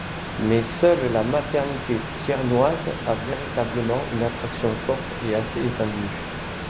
Mais seule la maternité thiernoise a véritablement une attraction forte et assez étendue.